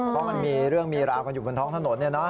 เพราะมันมีเรื่องมีราวกันอยู่บนท้องถนน